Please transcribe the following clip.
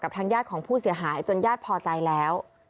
ทางญาติของผู้เสียหายจนญาติพอใจแล้ว